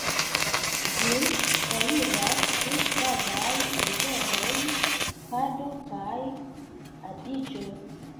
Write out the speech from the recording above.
Ĝin trairas du gravaj riveroj, Pado kaj Adiĝo.